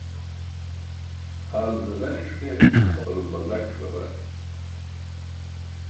Haalum zazaniṣ ke holum baldakiṣ babar.